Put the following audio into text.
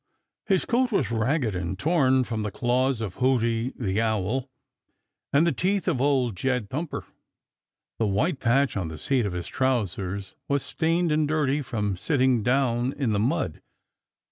His coat was ragged and torn from the claws of Hooty the Owl and the teeth of Old Jed Thumper. The white patch on the seat of his trousers was stained and dirty from sitting down in the mud.